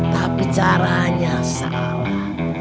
tapi caranya salah